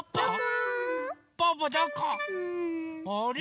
あれ？